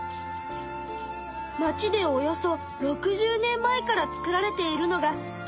町でおよそ６０年前から作られているのがたまねぎ。